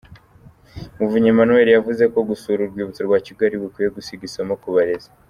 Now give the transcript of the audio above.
Muvunyi Emmanuel, yavuze ko gusura Urwibutso rwa Kigali bikwiye gusiga isomo ku barezi.